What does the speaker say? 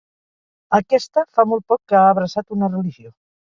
Aquesta fa molt poc que ha abraçat una religió.